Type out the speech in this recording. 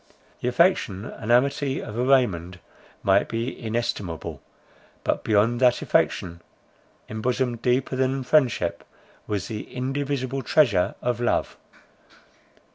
The affection and amity of a Raymond might be inestimable; but, beyond that affection, embosomed deeper than friendship, was the indivisible treasure of love.